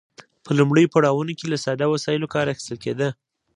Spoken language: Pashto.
په لومړیو پړاوونو کې له ساده وسایلو کار اخیستل کیده.